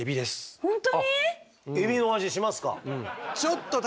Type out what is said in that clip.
あっエビの味しますか？